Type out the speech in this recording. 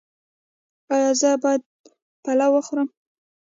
ایا زه باید پلاو وخورم؟